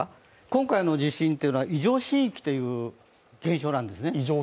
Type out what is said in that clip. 今回の地震は異常震域という現象なんですね。